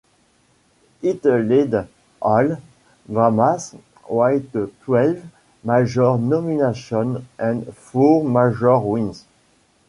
It led all dramas with twelve major nominations and four major wins.